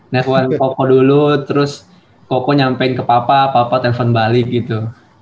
net one koko dulu terus koko nyampein ke papa papa telfon balik gitu